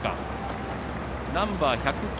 ナンバー１０９